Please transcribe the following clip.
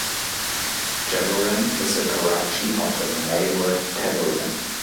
'Jawaran' is a corruption of the Malay word "tawaran".